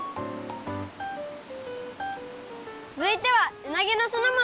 つづいてはうなぎのすのもの